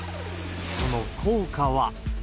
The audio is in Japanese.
その効果は。